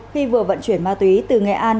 khi vừa vận chuyển ma túy từ nghệ an